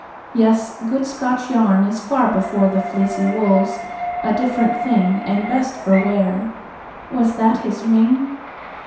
Yes, good Scotch yarn is far before The fleecy wools a different thing, And best for wear. (Was that his ring?)